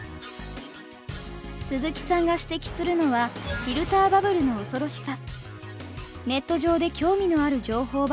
鈴木さんが指摘するのはフィルターバブルの恐ろしさ。